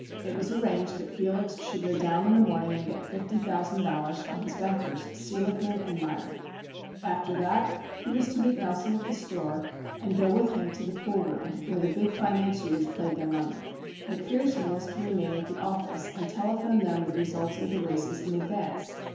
It was arranged that Felix should go down in the morning and get $50,000 from his bankers, Seligman and Meyer. After that he was to meet Nelson at the store and go with him to the pool room where the big financiers played their money. McPherson was to remain at the "office" and telephone them the results of the races in advance.